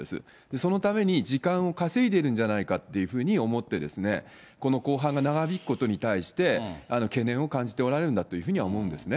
そのために時間を稼いでるんじゃないかというふうに思ってですね、この公判が長引くことに対して、懸念を感じておられるんだと思うんですね。